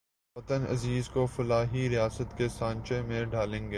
وطن عزیز کو فلاحی ریاست کے سانچے میں ڈھالیں گے